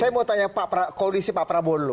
saya mau tanya koalisi pak prabowo dulu